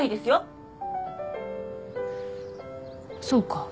そうか。